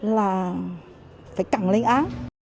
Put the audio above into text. là phải cẳng lên á